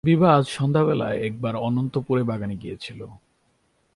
বিভা আজ সন্ধ্যাবেলায় একবার অন্তঃপুরের বাগানে গিয়াছে।